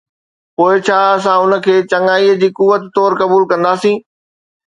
پوءِ ڇا اسان ان کي چڱائي جي قوت طور قبول ڪنداسين؟